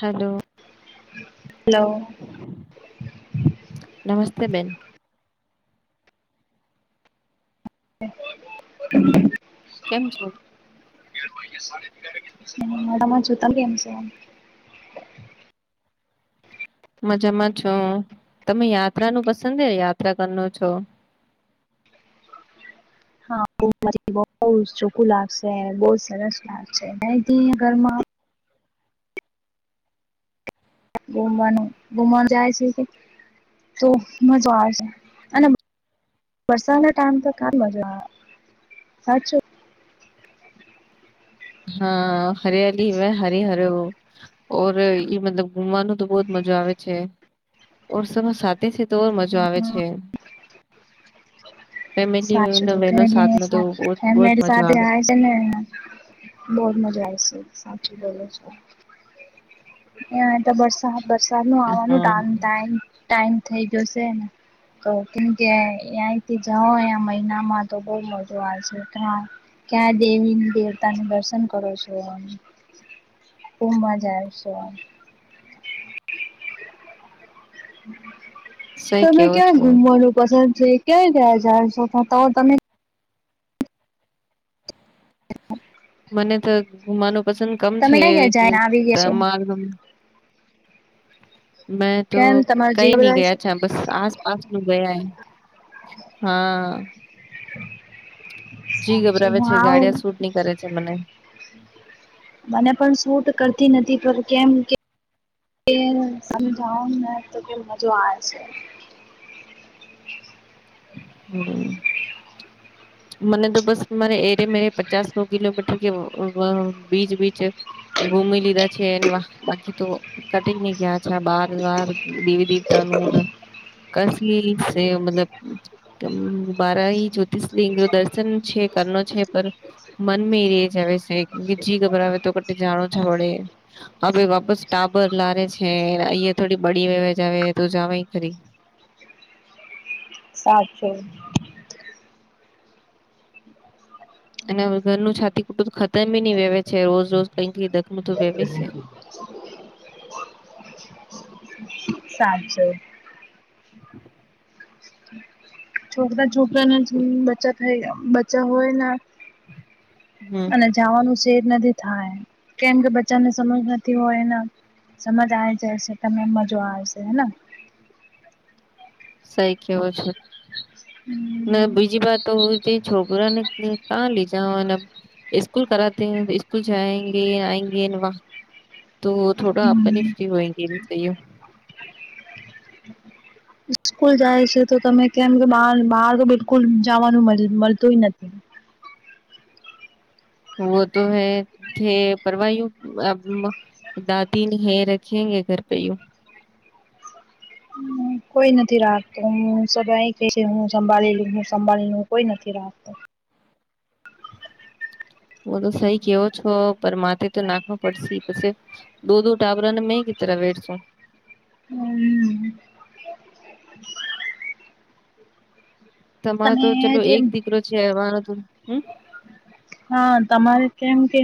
હાલો hello નમસ્તે બેન [inaudible] કેમ છો [inaudible] મજામાં છો તમે યાત્રા નું પસંદ છે યાત્રા કરનો છો હા બહું ચોખું લાગશે બહું સરસ લાગશે ઘરમાં. ઘુમનું ઘુમન જાય છ કે. તો મજો આવે છે અને વરસાદના ટાઈમ તો ક મજા આવે સાચું હા હરિયાલી મે હરે હરે ઓર એ મતલબ. ઘુમવાનું તો બહ જ મજા આવે છે. ઓરસમાં સાથે છે તોર મજા આવે હા છે. સાચું ફેમિલી બહેનો સાથમાં તો બહુત બહુત મેરે મજા સાથે આવે છે. બહું જ મજા આવશે સાચે એ તો વરસાદ. વરસાદ નું આવાનું હમ ટ ટાઈમ થઇ ગયો છે ને. તો કેમકે ત્યાં જવામાં મહિનામાં તો બહું મજા આવે છે ત્યાં. ક્યાં દેવી દેવતા ન દર્શન કરો છો ખુબ મજા આવે છે. [inaudible] સહી તમે કેવો ક્યા છો ઘુમવાનું પસંદ. જે ક્યાં કયાં જાવો છો તો તો તમે. મને તો ઘુમાવાનું પસંદ કમ તમે ક્યાં ગયા છે જને આવી ગયા છો તમા. મેં તો કેમ તમાર જે કઈ નઈ બધા ગઈ બસ આસપાસ નું ગયા હૈ હા. જી સાચું ગભરાવે છે હા ગાડિયા સુટ નહી કરે છે મને. મને પણ સૂટ કરતી નથી પર કેમ કે. [unintelligible] મજો આવે છે. હમ્મ. મને તો બસ મારે એરે મેરે પચાસ નો કિલોમીટર કે બીચ બીચ. ઘુમી લીધા છે એને બાકી તો કટી ગયા છે બાર વાર દ પિતાનું કસી મતલબ બારાહી જ્યોતિષલિંગ દર્શન છે કરનો છે પર મન મે એરી જ આવે છે. જી ગબરાવે તો કટ જાણો છ વળે. હ ભ વાપસ ટાબર લારે છે અહીંયા થોડી બડી‌ વેવાજ આવે તો જવાય ખરી. સાચું. અને ઘરનું છાતી કુટું ખતમ ન વેવે છે રોજ રોજ કઈ કઈ દખલું તો વહેવે છે. સાચું. છોકરા છોકરાના બચ્ચા થાય બચ્ચા હોય ને. હમ અને જવાનું સેર નથી થાય કેમ કે બચ્ચાને સમજ નથી હોય એના. સમજ આવી જશે તમેમ મજા આવેશે હેના. સહી કેવો છો. ને હમ બીજી વાત તો હ છોકરાને કાં લેજાવાના સ્કૂલ કરાતી હ તો સ્કૂલ જએંગે આયંગે. તો થોડા આપની ફ્રી હોયંગી એઓ. [unintelligible] સ્કૂલ જાય છે તો તમે કેમ કે બાર બહાર તો બિલકુલ જવાનું મળતું નથી. [unintelligible] વ તો હૈ થ પરવા હયું [unintelligible] દાદી ન રખેગે ઘર પે યું. કોઈ નથી રાખતો હું હું સંભાળી હું સંભાળી કોઈ નથી રાખતો. હું તો સહી કેવો છો પર માથે તો નાખવા પડશે પછી દો દો ટાબરાને મે ત વડસો હમ તમારે તમે તો ચલો તેમ એક દીકરો છે આવવાનો તો હમ હા તમારે કેમ કે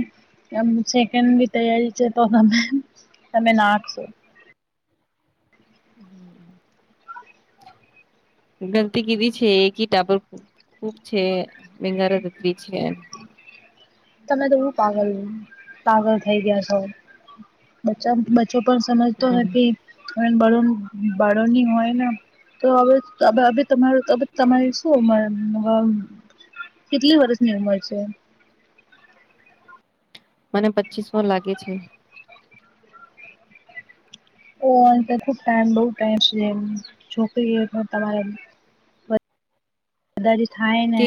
સેકન્ડ બી થયલ છે તો તમે તમે નાખશો હમ ગલતી કીધી છે એ ટાબર ખૂબ છે વંગારા ધત્રી છે. તમે થોડું પાગલ પાગલ થઈ ગયા છો [unintelligible] છોકરો સમજતો હમ નથી બાળો ની હોય ને! તો હવે તમાર તમારી શું [unintelligible] કેટલી વર્ષની ઉંમર છે? મને પચીસ મો લાગે છે. ઓ અ ટાઈમ બહ ટમ છે છોકરી તમારે દદાજી થાનને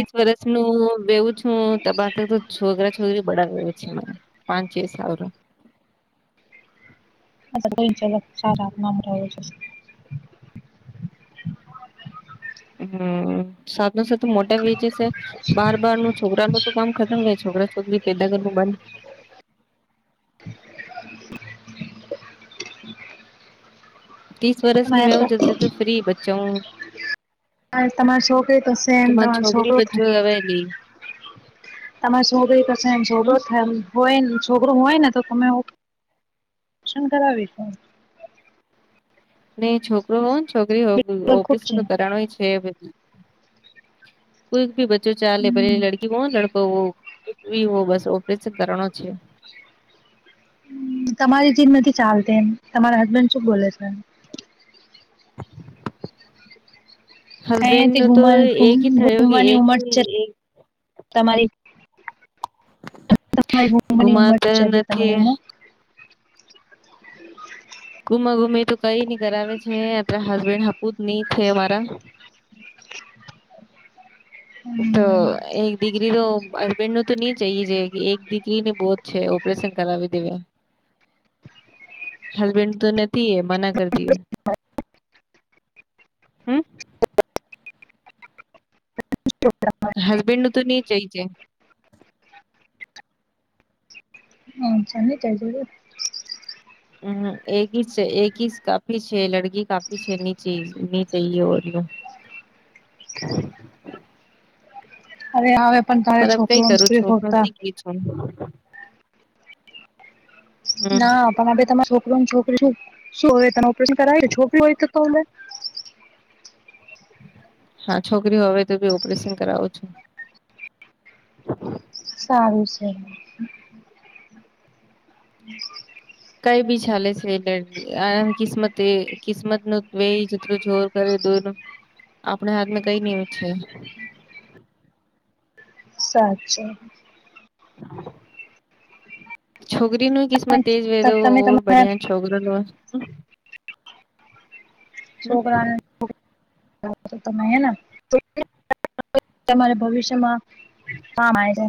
હું બેવું છું તબા તો છોકરા છોકરી બળાવ છે મને. પાંચ‌ છે સાલ આ ગઈચ ચારા મામરાઓજ હમ સાત નો સાત મોટા વે જ છે બાર બાર નું છોકરાનું તો કામ ખતમ હો છોકરા છોકરી પેદા કરવા નું બંધ ત્રીસ વર્ષની મેં હું જતી તો ફ્રી બચ્ચા હ તમારી છોકરી તો તમા સેમ મારે તમારો છોકરી છોકરો બ્ચું હવે નઈ તમારે શુંભઈ થશે એમ છોો હમ થાય એમ હોય છોકરુ હોય ને તો તમેન ઓપરેશન કરાવીલો નને છોકરો હોવ ને છોકરી હો ખૂબ ઓપરેશન છે તો કરાનું છે કોઈ ભી બચ્ચો ચાલેે પ લડકી કોણ લડકો બી હો બસ ઓપરેશન કરવાનો છે તમારી જી નથી ચાલતી એમ તમારા હસબન્ડ શું બોલે છે એ અ હસબેન્ડ નું તો એક જ થયો કે ઘુમવાની એક ઉમંર છે એક તમારી તમારીમની ઉમંર ગુમાતા છે તમામ નથી ઉમ [unintelligible] ગુમા ગુમ તો કઈ ન કરાવે છે અ હસબેન્ડ હપુત નહ છે મારા તો એક ડિગ્રી તો અરબેન નું તો નહી ચઇ જે એક દીકરીને બહ જ છે ઓપરેશન કરાવી દેવા હસબેન્ડ તોને મના કરતીય હમ હસબેન્ડ નું તો નહી જઈ જાય હમ ચને ત જું હમ એક છે એક કાફી છે લડકી કાફી છે નીચ ની ચએ યું [unintelligible] અરે હવે પણ તારે મતલબ કઈ છોકરોને કરું છું ફ્રીતા ભણતી ગઈ છું હમ ના પણ હ તમારા છોકરી ને છોકરી શું શું હોય તને ઓપરેશન કરાવ છોકરી હોય તો તો હા છોકરીઓ હવે તો બી ઓપરેશન કરાવો છો સારું છે કઈ બી ચાલે છે એ આ કિસ્મત કિસ્મત નું વેયટું જોર કરે આપણે હાથમાં કઈ નિમ છે [inaudible] સાચી છોકરીનું કિસ્મત તેજ વ તમે તોર તમારા બડ્યા છોકરા છોકરાને તમે હે ને [unintelligible] તમારે ભવિષ્યમાં હા માય છે.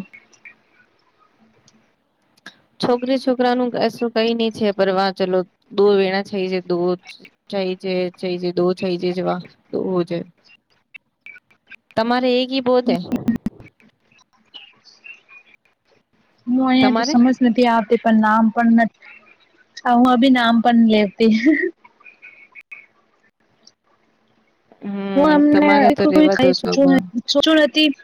છોકરી છોકરાનું એશું કઈ નહી છે. પર વાચેલુ દુર વેણા થઈ જતુ હોત. છઈ જે છેઈ જે દો થઈ જે જવા દોવો છે. [inaudible] તમારે એક હિ બહોત હૈ. હું અહીંયાથી તમારે સમજ નથી આવતી પણ નામ પણ હ હું અભી નામ પણ લેતી હું હમ અમને તમારે તો [unintelligible] રેવા દો જોબ કઈચું નથી